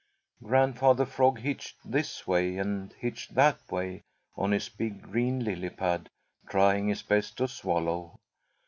Grandfather Frog hitched this way and hitched that way on his big green lily pad, trying his best to swallow.